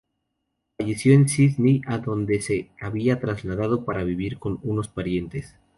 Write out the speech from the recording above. Falleció en Sídney, a donde se había trasladado para vivir con unos parientes.